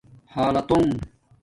حالتُݸنݣ